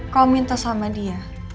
kau minta sama dia